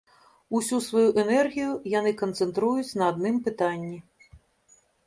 Усю сваю энергію яны канцэнтруюць на адным пытанні.